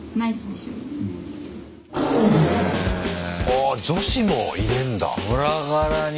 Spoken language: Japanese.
ああ女子も入れんだ。